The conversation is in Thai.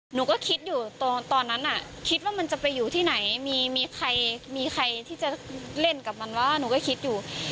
หนูก็คิดอยู่ตอนนั้นคิดว่ามันจะไปอยู่ที่ไหนมีใครมีใครที่จะเล่นกับมันว่าหนูก็คิดอยู่